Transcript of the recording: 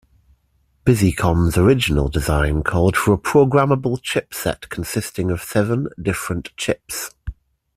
Busicom's original design called for a programmable chip set consisting of seven different chips.